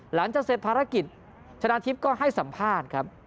หลังจากเสร็จภารกิจชนะทิพย์ก็ให้สัมภาษณ์ครับ